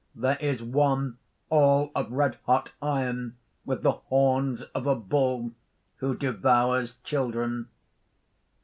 There is one all of red hot iron with the horns of a bull, who devours children.